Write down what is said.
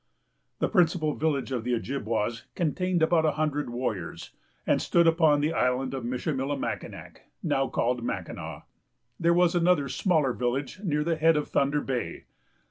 The principal village of the Ojibwas contained about a hundred warriors, and stood upon the Island of Michillimackinac, now called Mackinaw. There was another smaller village near the head of Thunder Bay.